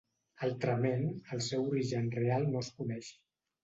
Altrament, el seu origen real no es coneix.